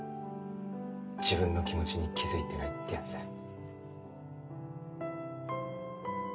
自分の気持ちに気付いてないってやつだよ。